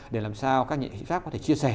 để làm sao các nghệ sĩ pháp có thể chia sẻ